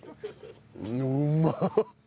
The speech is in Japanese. うまっ！